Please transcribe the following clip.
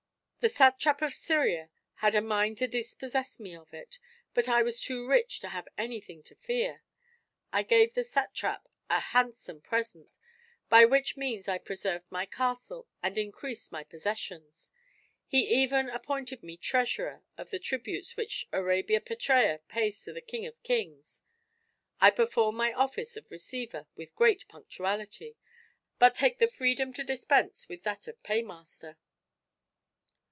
The Satrap of Syria had a mind to dispossess me of it; but I was too rich to have any thing to fear. I gave the satrap a handsome present, by which means I preserved my castle and increased my possessions. He even appointed me treasurer of the tributes which Arabia Petraea pays to the king of kings. I perform my office of receiver with great punctuality; but take the freedom to dispense with that of paymaster.